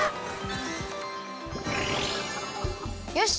よし！